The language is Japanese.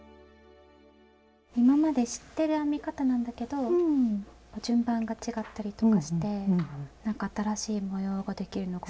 今まで知ってる編み方なんだけど順番が違ったりとかしてなんか新しい模様ができるのがすごい不思議だなと思います。